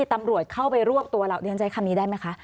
ตำรวจเข้าไปรวบตัวเราเรียนใช้คำนี้ได้ไหมคะ